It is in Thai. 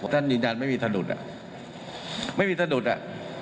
ท่านยืนยันไม่มีสะดุดอ่ะไม่มีสะดุดอ่ะ